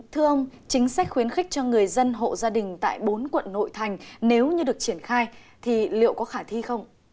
thưa ông chính sách khuyến khích cho người dân hộ gia đình tại bốn quận nội thành nếu như được triển khai thì liệu có khả thi không